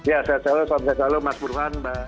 ya saya selalu selalu mas buruhan mbak